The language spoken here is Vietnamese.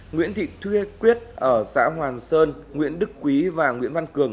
nguyễn thị thuyê quyết ở xã hoàng sơn nguyễn đức quý và nguyễn văn cường